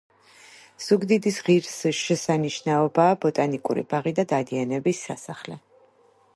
ზუგდიდის ღირს შესანიშნაობაა ბოტანიკური ბაღი და დადიანების სასახლე.